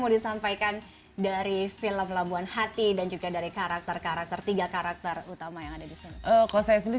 mau disampaikan dari film labuan hati dan juga dari karakter karakter tiga karakter utama yang ada